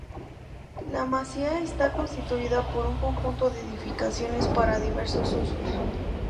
La masía está constituida por un conjunto de edificaciones para diversos usos.